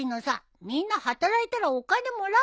みんな働いたらお金もらうでしょ。